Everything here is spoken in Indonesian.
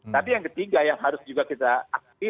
tapi yang ketiga yang harus juga kita akui